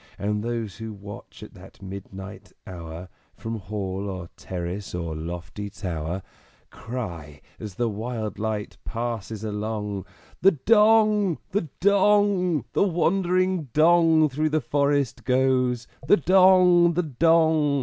And those who watch at that midnight hour From Hall or Terrace or lofty Tower, Cry, as the wild light passes along, "The Dong! the Dong! The wandering Dong through the forest goes! The Dong! the Dong!